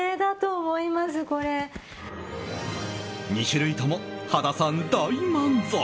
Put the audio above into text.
２種類とも羽田さん大満足。